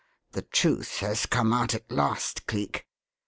The truth has come out at last, Cleek.